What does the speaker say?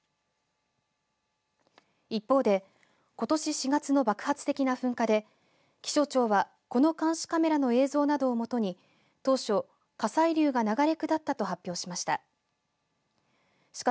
一方で、ことし４月の爆発的な噴火で気象庁は、この監視カメラの映像などをもとに当初、火砕流が流れ下ったと発表しました。